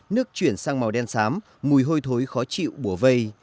nước chuyển sang màu đen xám mùi hôi thối khó chịu bùa vây